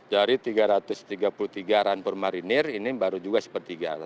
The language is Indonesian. dari tiga ratus tiga puluh tiga rampur marinir ini baru juga sepertiga